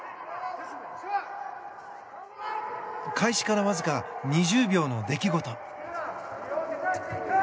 開始からわずか２０秒の出来事。